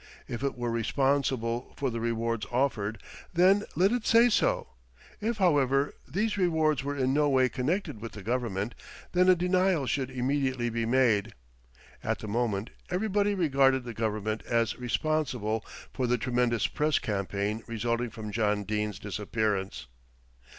If it were responsible for the rewards offered, then let it say so. If, however, these rewards were in no way connected with the Government, then a denial should immediately be made. At the moment everybody regarded the Government as responsible for the tremendous press campaign resulting from John Dene's disappearance.